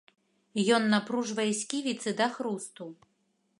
Ён напружвае сківіцы да хрусту.